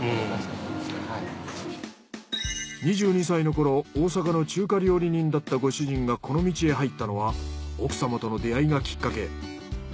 ２２歳の頃大阪の中華料理人だったご主人がこの道へ入ったのは奥様との出会いがきっかけ。